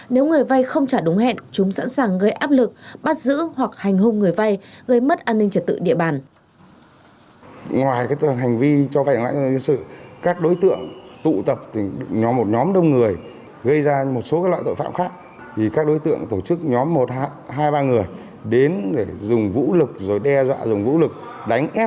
nếu người vai không trả đúng hẹn chúng sẵn sàng gây áp lực bắt giữ hoặc hành hung người vai